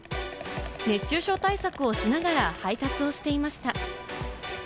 熱中症対策をしながら配達をしていました。